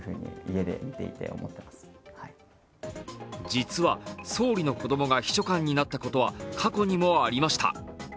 実は総理の子供が秘書官になったことは過去にもありました。